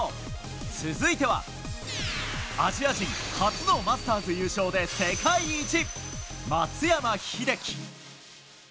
続いてはアジア人初のマスターズ優勝で世界一松山英樹。